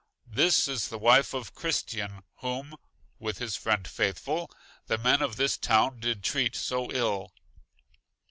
This is the wife of Christian whom (with his friend Faithful) the men of this town did treat so ill.